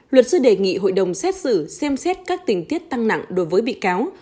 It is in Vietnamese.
luật sư đề nghị hội đồng xét xử xem xét các tình tiết tăng nặng đối với bị cáo